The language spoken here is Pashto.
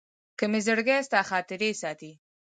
که مي زړګي ستا خاطرې ساتي